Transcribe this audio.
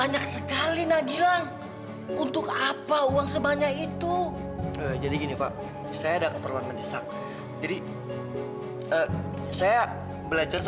ya sudah kamu istirahat